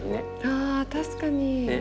あ確かに。